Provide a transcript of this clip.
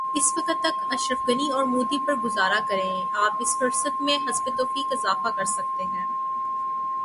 اس وقت تک اشرف غنی اورمودی پر گزارا کریں آپ اس فہرست میں حسب توفیق اضافہ کرسکتے ہیں۔